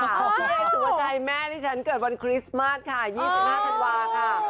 พี่เอสุภาชัยแม่ที่ฉันเกิดวันคริสต์มาสค่ะ๒๕ธันวาค่ะ